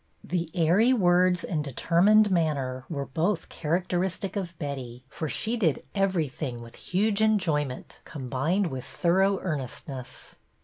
The airy words and determined manner were both characteristic of Betty, for she did every thing with huge enjoyment combined with thor ough earnestness.